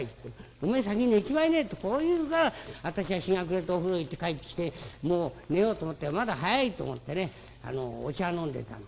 『おめえ先に寝ちまいなよ』ってこう言うから私は日が暮れてお風呂行って帰ってきてもう寝ようと思ったらまだ早いと思ってねお茶飲んでたの。